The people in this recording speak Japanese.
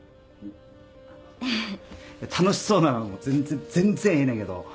楽しそうなのはホンマ全然全然ええねんけど